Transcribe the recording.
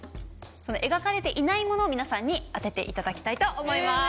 その描かれていないものを皆さんに当てて頂きたいと思います。